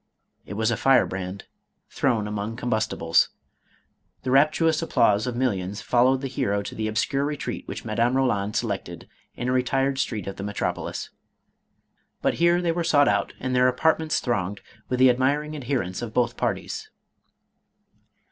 It was a fire brand thrown among combustibles. The rapturous ap plause of millions followed the hero to the obscure re treat which Madame Roland selected in a retired street of the metropolis. But here they were sought out and their apartments thronged with the admiring adherents of both parties.